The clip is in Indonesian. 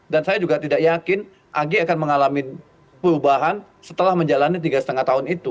dan saya juga tidak yakin ag akan mengalami perubahan setelah menjalani tiga lima tahun itu